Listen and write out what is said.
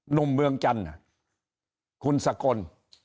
หนุ่มเมืองจันทร์คุณสะกล